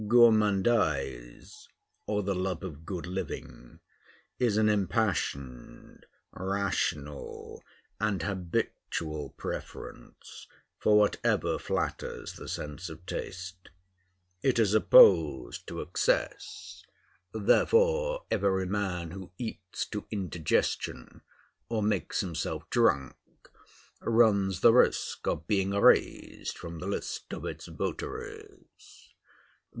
Gourmandise, or the love of good living, is an impassioned, rational, and habitual preference for whatever flatters the sense of taste. It is opposed to excess; therefore every man who eats to indigestion, or makes himself drunk, runs the risk of being erased from the list of its votaries.